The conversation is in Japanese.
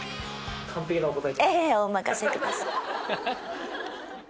完璧なお答えで。